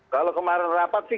kalau kemarin rapat sih